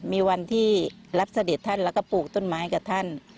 มีวันที่รับเสด็จท่านแล้วก็ปลูกต้นไม้กับท่าน